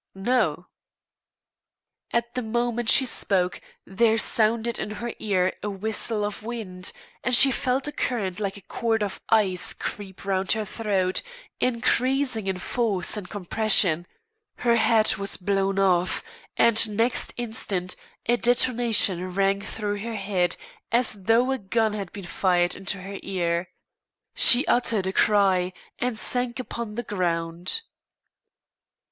"No." At the moment she spoke there sounded in her ear a whistle of wind, and she felt a current like a cord of ice creep round her throat, increasing in force and compression, her hat was blown off, and next instant a detonation rang through her head as though a gun had been fired into her ear. She uttered a cry and sank upon the ground.